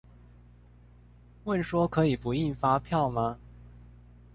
問說可以不印發票嗎？